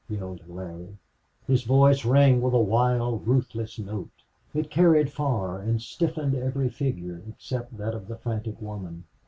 yelled Larry. His voice rang with a wild, ruthless note; it carried far and stiffened every figure except that of the frantic woman.